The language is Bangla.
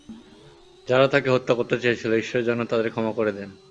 যাঁরা তাঁকে হত্যা করতে চেয়েছিল, ঈশ্বর যেন তাঁদের ক্ষমা করে দেন।